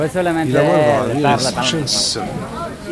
Yella walebɛaḍ i ɣ-iseččen ssem.